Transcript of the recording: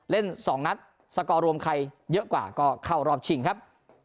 เล่น๒นัดสกอร์รวมใครเยอะกว่าก็เข้ารอบชิงครับ